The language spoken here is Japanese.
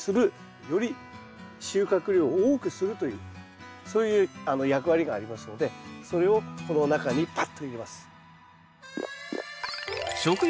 より収穫量を多くするというそういう役割がありますのでそれをこの中にパッと入れます。